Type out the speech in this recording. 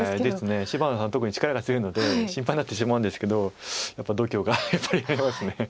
芝野さん特に力が強いので心配になってしまうんですけどやっぱり度胸があります。